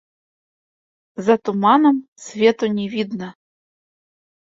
За туманам свету не відна!